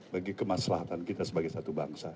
bagi kemaslahatan kita sebagai satu bangsa